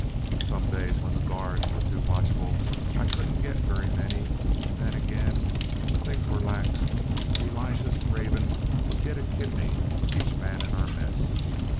Some days, when the guards were too watchful, I couldn't get very many, and then again when things were lax, 'Elijah's Raven' would get a kidney for each man in our mess.